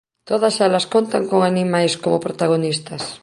Todas elas contan con animais como protagonistas.